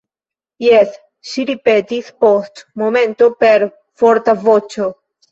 Jes, ŝi ripetis post momento per forta voĉo.